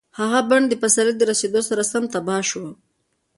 هغه بڼ د پسرلي د رسېدو سره سم تباه شو.